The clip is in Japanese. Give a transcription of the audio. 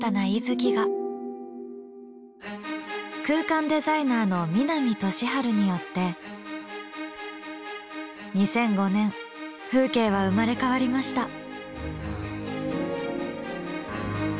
空間デザイナーの南利治によって２００５年風景は生まれ変わりました。